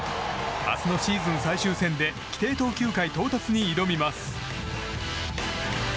明日のシーズン最終戦で規定投球回到達に挑みます。